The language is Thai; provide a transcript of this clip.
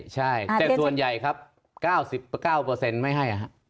ใช่แต่ส่วนใหญ่ครับ๙๙ไม่ให้